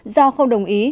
do không đồng ý